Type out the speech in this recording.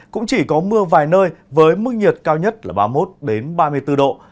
cũng chỉ có mưa vài nơi với mức nhiệt cao nhất là ba mươi một ba mươi bốn độ